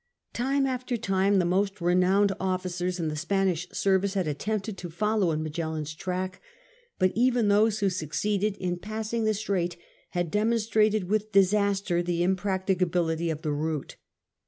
Time after time the most renowned officers in the Spanish service had attempted to follow in Magellan's track, but even those who succeeded in passing the strait had demonstrated with disaster the impracticability of the route.